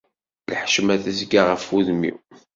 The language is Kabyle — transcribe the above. Lḥecma tezga ɣef wudem-iw.